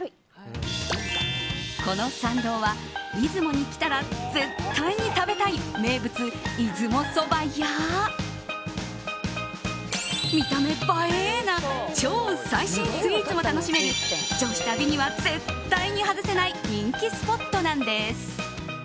この参道は出雲に来たら絶対に食べたい名物、出雲そばや見た目映えな超最新スイーツも楽しめる女子旅には絶対に外せない人気スポットなんです。